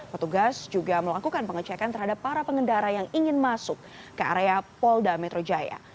petugas juga melakukan pengecekan terhadap para pengendara yang ingin masuk ke area polda metro jaya